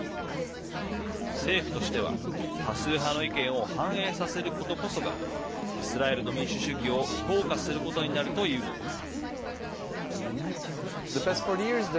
政府としては、多数派の意見を反映させることこそがイスラエルの民主主義を強化することになるというのです。